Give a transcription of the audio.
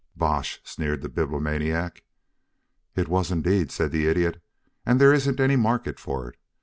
"Bosh!" sneered the Bibliomaniac. "It was, indeed," said the Idiot. "And there isn't any market for it.